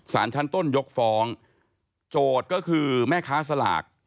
สารชั้นต้นยกฟ้องโจทย์ก็คือแม่ค้าสลาก